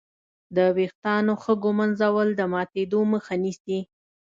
د وېښتانو ښه ږمنځول د ماتېدو مخه نیسي.